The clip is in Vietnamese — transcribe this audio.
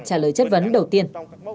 trả lời chất vấn đầu tiên